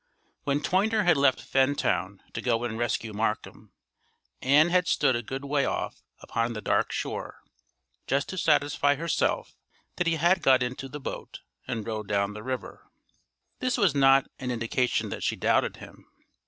When Toyner had left Fentown to go and rescue Markham, Ann had stood a good way off upon the dark shore just to satisfy herself that he had got into the boat and rowed down the river. This was not an indication that she doubted him.